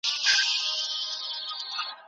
سره به مل وي